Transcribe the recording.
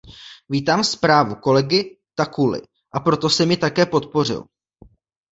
Vítám zprávu kolegy Takkuly, a proto jsem jí také podpořil.